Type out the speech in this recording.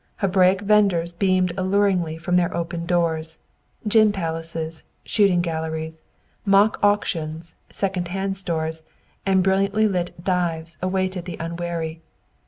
Hebraic venders beamed alluringly from their open doors, gin palaces, shooting galleries, mock auctions, second hand stores and brilliantly lit "dives" awaited the unwary.